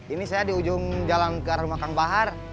ini saya di ujung jalan ke rumah kang bahar